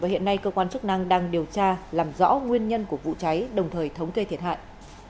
hiện nay cơ quan chức năng đang điều tra làm rõ nguyên nhân của vụ cháy đồng thời thống kê thiệt hại